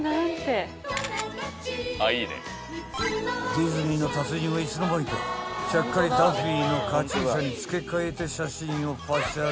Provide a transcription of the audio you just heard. ［ディズニーの達人はいつの間にかちゃっかりダッフィーのカチューシャに着け替えて写真をパシャリ］